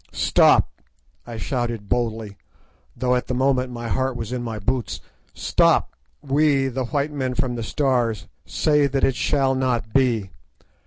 "Stop!" I shouted boldly, though at the moment my heart was in my boots. "Stop! we, the white men from the Stars, say that it shall not be.